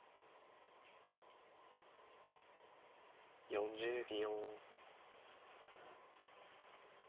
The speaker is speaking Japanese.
４０秒。